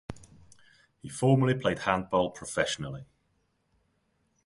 He formerly played handball professionally.